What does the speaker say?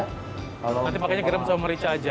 nanti pakainya garam sama merica aja